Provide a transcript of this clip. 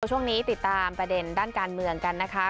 ช่วงนี้ติดตามประเด็นด้านการเมืองกันนะคะ